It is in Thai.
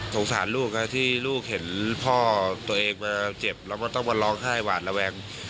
สารลูกนะที่ลูกเห็นพ่อตัวเองมาเจ็บแล้วก็ต้องมาร้องไห้หวาดระแวง